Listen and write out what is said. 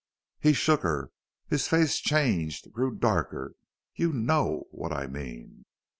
He shook her. His face changed, grew darker. "You KNOW what I mean."